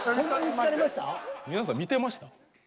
皆さん見てました？